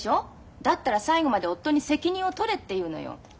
だったら最後まで夫に責任を取れっていうのよ。